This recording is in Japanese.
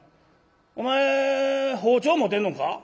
お前包丁持てんのんか？」。